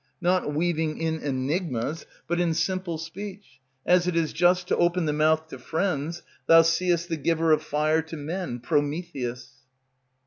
Not weaving in enigmas, but in simple speech, As it is just to open the mouth to friends. Thou seest the giver of fire to men, Prometheus.